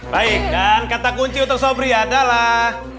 baik dan kata kunci untuk sobri adalah